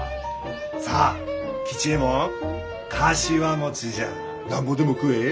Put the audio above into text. さあ吉右衛門かしわ餅じゃあなんぼでも食え。